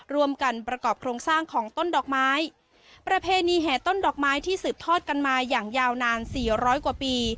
ร่วมกันประกอบโครงสร้างของต้นดอกไม้ประเพณีแห่ต้นดอกไม้ที่สืบทอดกันมาอย่างยาวนานสี่ร้อยกว่าปี